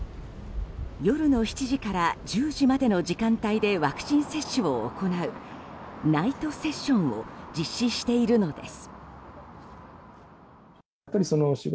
夜の７時から１０時までの時間帯でワクチン接種を行うナイトセッションを実施しているのです。